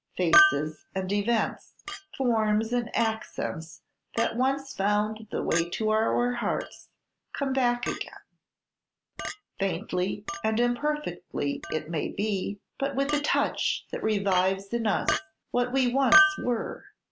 Faces and events, forms and accents, that once found the way to our hearts, come back again, faintly and imperfectly it may be, but with a touch that revives in us what we once were.